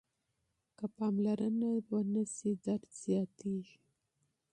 که بې احتیاطي وي درد زیاتېږي.